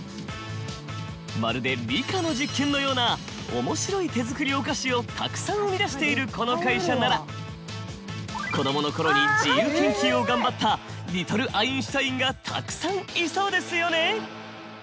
まるで理科の実験のような面白い手作りお菓子をたくさん生み出しているこの会社なら子どもの頃に自由研究を頑張ったリトル・アインシュタインがたくさんいそうですよね！